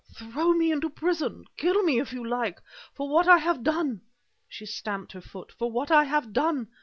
"Throw me into prison, kill me if you like, for what I have done!" She stamped her foot. "For what I have done!